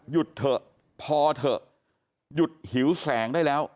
หยุดเถอะพอเถอะหยุดหิวแสงได้แล้ว